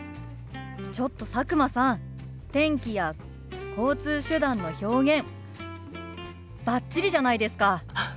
ちょっと佐久間さん天気や交通手段の表現バッチリじゃないですか！